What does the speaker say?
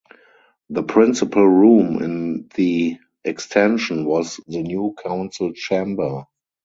The principal room in the extension was the new council chamber.